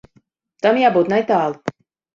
Tam jābūt netālu.